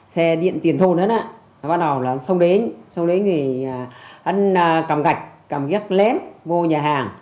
xe điện tiền thôn đó nè bắt đầu là ông xong đến xong đến thì anh cầm gạch cầm gác lém vô nhà hàng